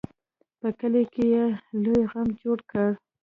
په کلي کې یې لوی غم جوړ کړ.